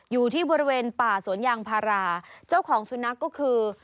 อยู่ที่บริเวณป่าสวนยางพาราเจ้าของสุนัขก็คือ